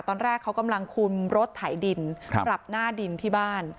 ตอนแรกเขากำลังคุมรถไถดินปรับหน้าดินที่บ้าน